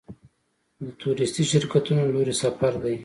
د تورېستي شرکتونو له لوري سفر دی.